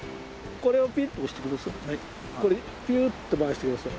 これピューッと回してください。